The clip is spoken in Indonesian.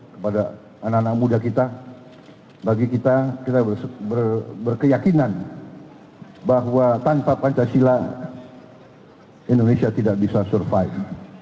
kepada anak anak muda kita bagi kita kita berkeyakinan bahwa tanpa pancasila indonesia tidak bisa survive